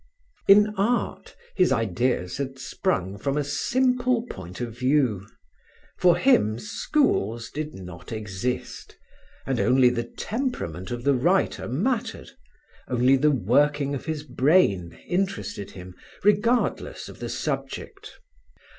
In art, his ideas had sprung from a simple point of view. For him schools did not exist, and only the temperament of the writer mattered, only the working of his brain interested him, regardless of the subject.